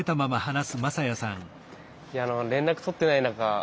いや連絡取ってない中